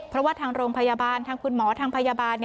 เพราะว่าทางโรงพยาบาลทางคุณหมอทางพยาบาล